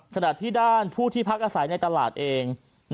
ขณะที่ด้านผู้ที่พักอาศัยในตลาดเอง